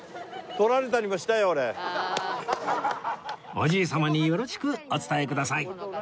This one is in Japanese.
おじい様によろしくお伝えください！